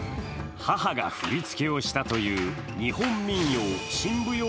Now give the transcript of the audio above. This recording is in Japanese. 母が振り付けをしたという日本民踊